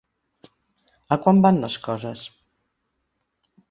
A quant van les coses?